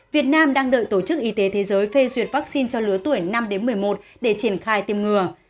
việt nam đang đợi tổ chức y tế thế giới phê duyệt vaccine cho lứa tuổi năm một mươi một để triển khai tiêm ngừa